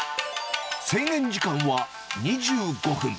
制限時間は２５分。